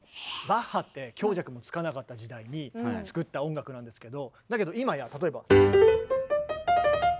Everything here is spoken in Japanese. バッハって強弱もつかなかった時代に作った音楽なんですけどだけど今や例えば。